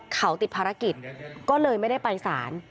เขาติดภารกิจก็เลยไม่ได้ไปสาร